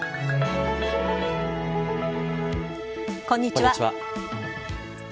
こんにちは。